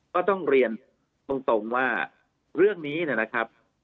ก็ต้องเรียนตรงว่าเรื่องนี้เนี่ยนะครับ